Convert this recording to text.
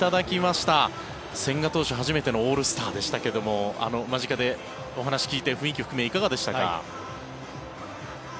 初めてのオールスターでしたが間近でお話を聞いて雰囲気含め、いかがでしたか？